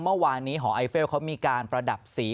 เมื่อวานนี้หอไอเฟลเขามีการประดับสี